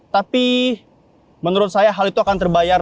tapi menurut saya hal itu akan terbayar